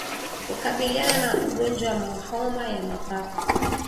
Kukabiliana na ugonjwa wa homa ya mapafu